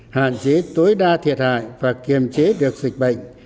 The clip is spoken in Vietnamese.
hạn chế tối đa thiệt hại và kiềm chế được dịch bệnh